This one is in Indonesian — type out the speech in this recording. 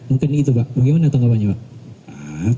mungkin itu pak bagaimana tanggapannya pak